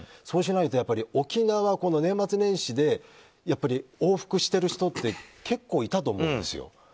そうしないと沖縄この年末年始で往復してる人って結構いたと思うんですよ。